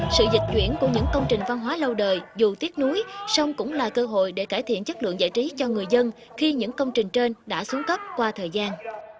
sự dịch chuyển của những công trình văn hóa lâu đời dù tiếc núi song cũng là cơ hội để cải thiện chất lượng giải trí cho người dân khi những công trình trên đã xuống cấp qua thời gian